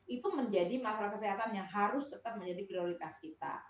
itu menjadi masalah kesehatan yang harus tetap menjadi prioritas kita